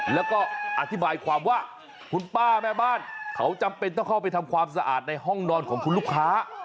แล้วก็อธิบายความว่าคุณป้าแม่บ้านเขาจำเป็นต้องเข้าไปทำความสะอาดในห้องนอนของคุณลูกค้า